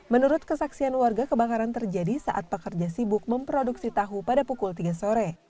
menurut kesaksian warga kebakaran terjadi saat pekerja sibuk memproduksi tahu pada pukul tiga sore